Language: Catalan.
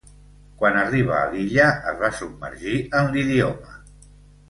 Quan arribà a l'illa es va submergir en l'idioma.